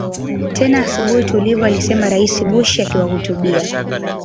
tena asubuhi tulivu alisema Rais Bush akiwahutubia